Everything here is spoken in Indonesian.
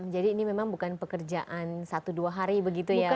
jadi ini memang bukan pekerjaan satu dua hari begitu ya bu edi